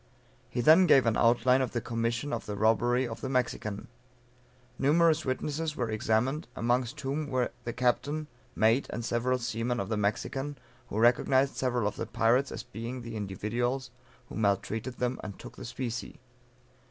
He then gave an outline of the commission of the robbery of the Mexican. Numerous witnesses were examined, amongst whom were the captain, mate, and several seamen of the Mexican, who recognized several of the pirates as being the individuals who maltreated them, and took the specie.